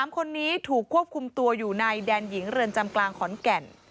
๓คนนี้ถูกควบคุมตัวอยู่ในแดนหญิงเรือนจำกลางขอนแก่น